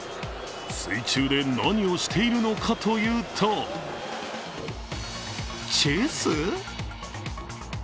水中で何をしているのかというとチェス？